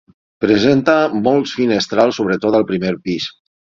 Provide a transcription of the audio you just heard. Presenta molts finestrals, sobretot al primer pis.